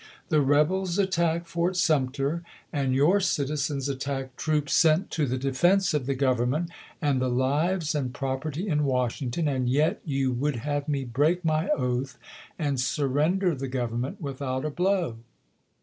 The rebels attack Fort Sum ter, and your citizens attack troops sent to the defense of the Government, and the lives and property in Washing ton, and yet you would have me break my oath and sur render the Grovernraent without a blow.